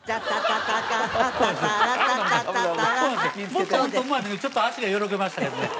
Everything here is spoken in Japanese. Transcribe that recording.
もっと本当はうまいんですけどちょっと足がよろけましたけどね。